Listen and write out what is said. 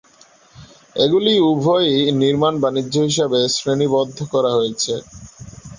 এগুলি উভয়ই নির্মাণ বাণিজ্য হিসাবে শ্রেণিবদ্ধ করা হয়েছে।